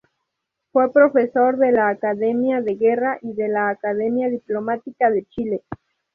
Fue profesor de la Academia de Guerra y de la Academia Diplomática de Chile.